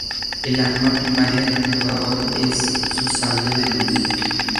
El arma primaria del jugador es su "sable de luz".